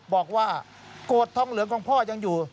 บอกว่าโกรธทองเหลืองของพ่อยังอยู่